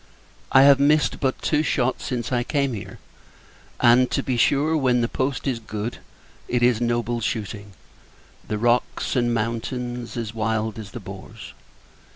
I have missed but two shot since I came here; and, to be sure, when the post is good, it is noble shooting! The rocks, and mountains, as wild as the boars.